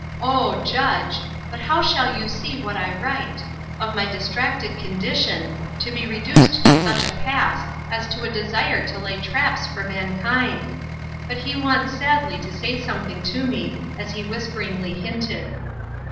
O judge (but how shall you see what I write!) of my distracted condition, to be reduced to such a pass as to a desire to lay traps for mankind! But he wants sadly to say something to me, as he whisperingly hinted.